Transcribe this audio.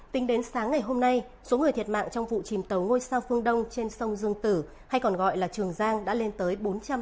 tính đến sáng ngày hôm nay số người thiệt mạng trong vụ chìm tàu ngôi sao phương đông trên sông dương tử hay còn gọi là trường giang đã lên tới bốn trăm ba mươi